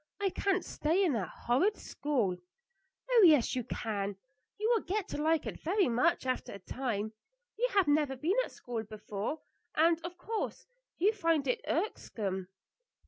I can't stay in that horrid school." "Oh, yes, you can. You will get to like it very much after a time. You have never been at school before, and of course you find it irksome."